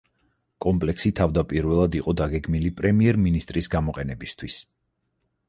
კომპლექსი თავდაპირველად იყო დაგეგმილი პრემიერ-მინისტრის გამოყენებისთვის.